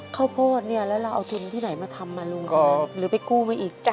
ข้าวโพดเนี่ยแล้วเราเอาทุนที่ไหนมาทำมาลุงหรือไปกู้มาอีก